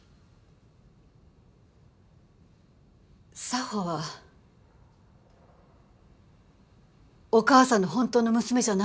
沙帆はお母さんの本当の娘じゃないの。